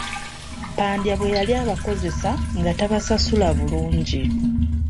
Pandya bwe yali abakozesa, nga tabasasula bulungi.